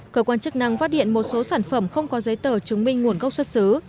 cơ quan chức năng phát hiện một số sản phẩm không có giấy tờ chứng minh nguồn gốc xuất xứ